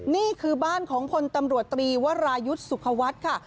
นี่คือบ้านของพลตำรวจตรีวรายุทธ์สุขวัฒน์ค่ะ